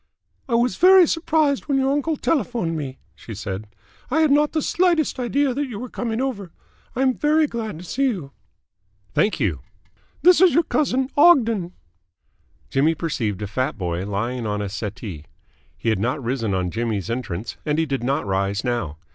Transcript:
"I was very surprised when your uncle telephoned me," she said. "I had not the slightest idea that you were coming over. I am very glad to see you." "Thank you." "This is your cousin, Ogden." Jimmy perceived a fat boy lying on a settee. He had not risen on Jimmy's entrance, and he did not rise now.